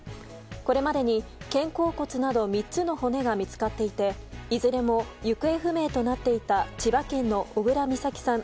これまでに、肩甲骨など３つの骨が見つかっていていずれも行方不明となっていた千葉県の小倉美咲さん